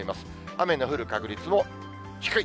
雨の降る確率も低い。